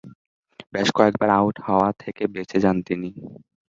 বেশ কয়েকবার আউট হওয়া থেকে বেঁচে যান তিনি।